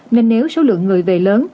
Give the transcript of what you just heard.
nếu số lượng người về lớn